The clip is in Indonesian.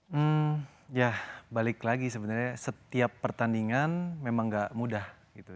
hmm ya balik lagi sebenarnya setiap pertandingan memang gak mudah gitu